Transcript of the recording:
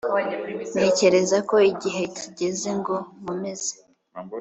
Ntekereza ko igihe kigeze ngo nkomeze